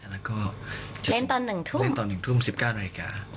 และก็จะเล่นตอน๑ทุ่ม๑๙นาที